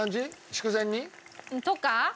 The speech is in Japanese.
筑前煮？とか。